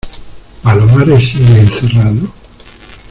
¿ palomares sigue encerrado?